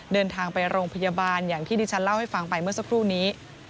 เดินทางไปโรงพยาบาลอย่างที่ดิฉันเล่าให้ฟังไปเมื่อสักครู่นี้